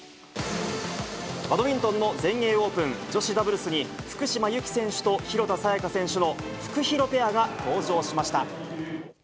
バドミントンの全英オープン女子ダブルスに、福島由紀選手と廣田彩花選手のフクヒロペアが登場しました。